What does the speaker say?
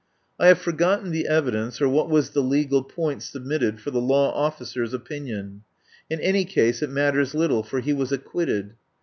I have forgotten the evidence or what was the legal point submitted for the Law Offi cers' opinion ; in any case it matters little, for he was acquitted.